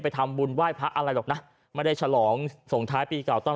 ทำบุญไหว้พระอะไรหรอกนะไม่ได้ฉลองส่งท้ายปีเก่าต้อง